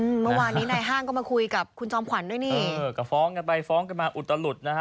เมื่อวานนี้นายห้างก็มาคุยกับคุณจอมขวัญด้วยนี่เออก็ฟ้องกันไปฟ้องกันมาอุตลุดนะฮะ